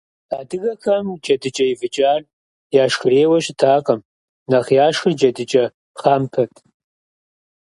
Адыгэхэм джэдыкӏэ ивыкӏар яшхырейуэ щытакъым, нэхъ яшхыр джэдыкӏэ пхъампэт.